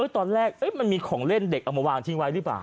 ตอนแรกมันมีของเล่นเด็กเอามาวางทิ้งไว้หรือเปล่า